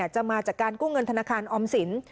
จะมาจากการกู้เงินธนาคารออมสิน